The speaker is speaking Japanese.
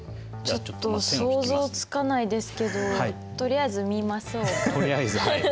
ちょっと想像つかないですけどとりあえず見ましょうか。